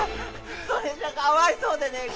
それじゃかわいそうでねえが！